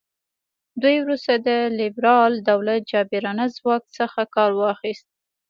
دوی وروسته د لیبرال دولت جابرانه ځواک څخه کار واخیست.